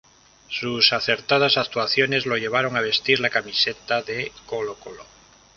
Sus acertadas actuaciones lo llevaron a vestir la camiseta de Colo-Colo.